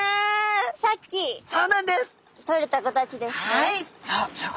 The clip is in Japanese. はい。